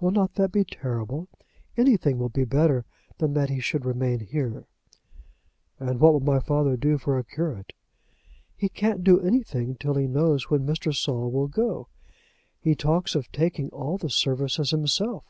Will not that be terrible? Anything will be better than that he should remain here." "And what will my father do for a curate?" "He can't do anything till he knows when Mr. Saul will go. He talks of taking all the services himself."